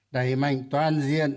đẩy mạnh toàn diện